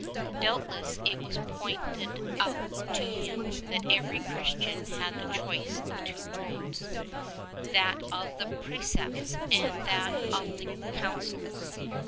Doubtless it was pointed out to him that every Christian had the choice of two roads — that of the precepts and that of the counsels.